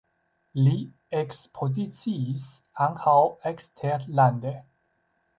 Li ekspoziciis ankaŭ eksterlande.